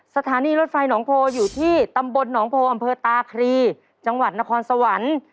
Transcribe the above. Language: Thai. สถานีรถไฟหนองโพอยู่ที่ตำบลหนองโพอำเภอตาครีจังหวัดนครสวรรค์